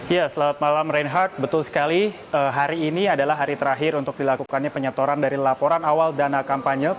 ya selamat malam reinhardt betul sekali hari ini adalah hari terakhir untuk dilakukannya penyetoran dari laporan awal dana kampanye